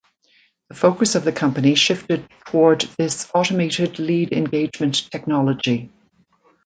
The focus of the company shifted toward this automated lead engagement technology.